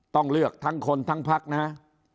ต้องเลือกทั้งคนทั้งพักนะฮะ